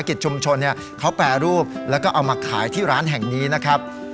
กิจชุมชนเขาแปรรูปแล้วก็เอามาขายที่ร้านแห่งนี้นะครับ